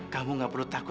kamu gak perlu terima kasih